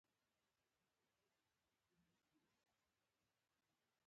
تر ډوډۍ وروسته به مېرمنو لاسونه پاکول.